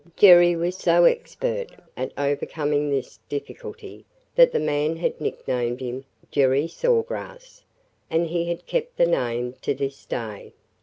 Jerry was so expert at overcoming this difficulty that the man had nicknamed him "Jerry Saw Grass" and he had kept the name to this day.